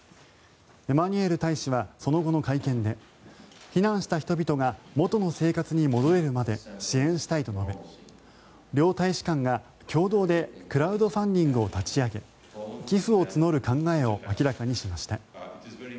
エマニュエル大使はその後の会見で避難した人々が元の生活に戻れるまで支援したいと述べ両大使館が共同でクラウドファンディングを立ち上げ寄付を募る考えを明らかにしました。